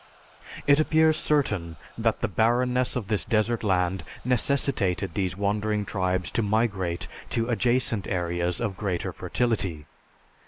It appears certain that the barrenness of this desert land necessitated these wandering tribes to migrate to adjacent areas of greater fertility.